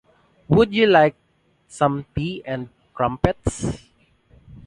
Would you like some tea and crumpets?